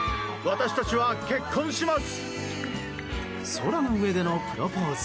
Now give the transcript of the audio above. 空の上でのプロポーズ。